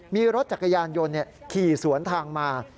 มีรถจักรยานยนต์ขี่สวนทางมา